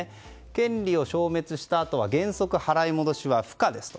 権利を消滅したあとは原則払い戻しは不可ですと。